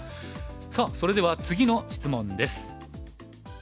さあそれでは次の質問です。